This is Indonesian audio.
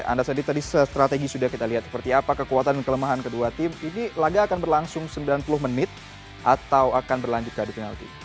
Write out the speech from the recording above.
anda sendiri tadi strategi sudah kita lihat seperti apa kekuatan dan kelemahan kedua tim ini laga akan berlangsung sembilan puluh menit atau akan berlanjut ke adu penalti